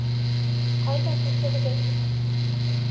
Ҡайҙа күсербеҙ?